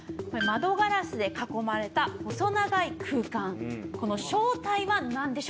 窓ガラスで囲まれた細い空間。